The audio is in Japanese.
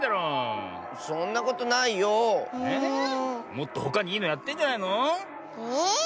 もっとほかにいいのやってんじゃないの？え。